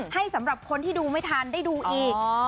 สำหรับคนที่ดูไม่ทันได้ดูอีก